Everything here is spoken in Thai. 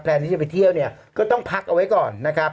แพลนที่จะไปเที่ยวก็ต้องพักเอาไว้ก่อนนะครับ